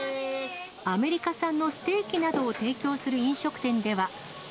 アメリカ産のステーキなどを提供する飲食店では。